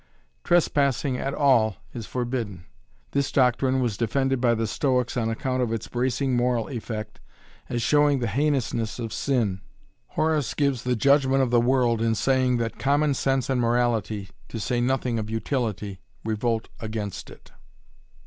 Trespassing at all is forbidden. This doctrine was defended by the Stoics on account of its bracing moral effect as showing the heinousness of sin. Horace gives the judgment of the world in saying that common sense and morality, to say nothing of utility, revolt against it.